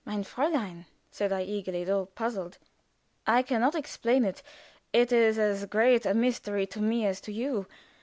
"Mein Fräulein," said I, eager, though puzzled, "I can not explain it; it is as great a mystery to me as to you.